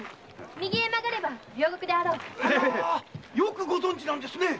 右へ曲がれば両国であろう。よくご存じで！